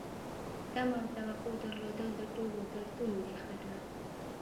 تمه او توقع درلودل د ټولو دردونو ریښه ده.